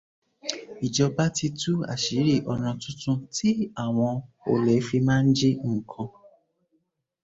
Ìjọba ti tú àṣírí ọ̀nà tuntun tí àwọn olè fi máa ń jí nǹkan